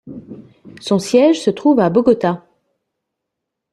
Son siège se trouve à Bogota.